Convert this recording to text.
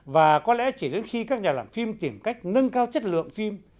và có lẽ chỉ đến khi các nhà làm phim tìm cách nâng cao chất lượng phim